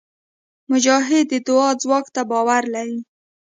مجاهد د دعا ځواک ته باور لري.